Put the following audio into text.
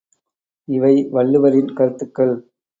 இவை வள்ளுவரின் கருத்துகள்.